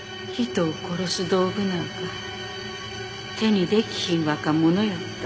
人を殺す道具なんか手にできひん若者やった。